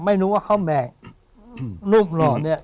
ไม่รู้ว่าข้าวแมกรูปหล่อเนี่ย